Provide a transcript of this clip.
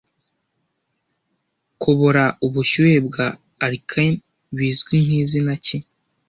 Kubora ubushyuhe bwa alkane bizwi nkizina ki